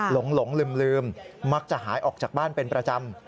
หลงลืมมักจะหายออกจากบ้านเป็นประจำ